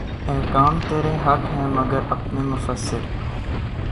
احکام ترے حق ہیں مگر اپنے مفسر